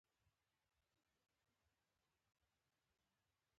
نهه میاشتې او نهه ساعته وخت تېر شو.